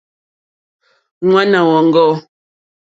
Ŋwáná wɔ̀ŋɡɔ́.